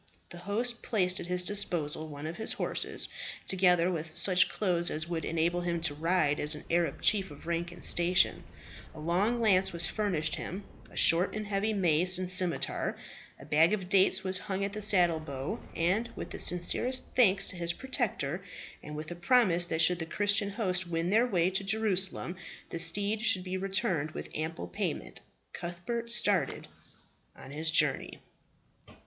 The host placed at his disposal one of his horses, together with such clothes as would enable him to ride as an Arab chief of rank and station; a long lance was furnished him, a short and heavy mace, and scimitar; a bag of dates was hung at the saddle bow; and with the sincerest thanks to his protector, and with a promise that should the Christian host win their way to Jerusalem the steed should be returned with ample payment, Cuthbert started on his journey.